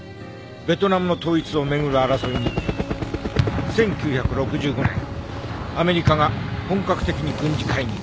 ベトナムの統一を巡る争いに１９６５年アメリカが本格的に軍事介入。